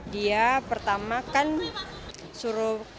dia pertama kan suruh